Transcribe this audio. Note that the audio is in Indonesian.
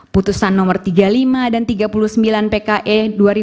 putusan nomor tiga puluh lima dan tiga puluh sembilan pke dua ribu dua puluh